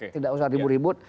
tidak usah ribut ribut